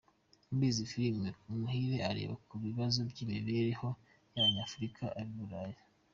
Muri izi film, Umuhire areba ku bibazo by’imibereho y’abanyafurika baba i Burayi.